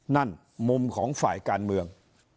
นั่นมุมของฝ่ายการเมือง